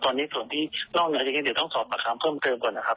แต่ตอนนี้ส่วนที่นอกก็จะยังอาจจะต้องสอบปรัชคลามเพิ่มเกิมก่อนนะครับ